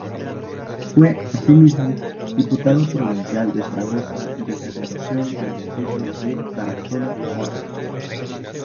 Fue asimismo diputado provincial de Zaragoza en representación del distrito de Tarazona-Borja.